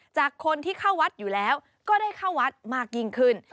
จากคนที่เข้าวัดอยู่แล้วก็ได้เข้าวัดมากยิ่งขึ้น